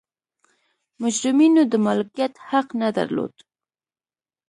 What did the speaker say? مجرمینو د مالکیت حق نه درلود.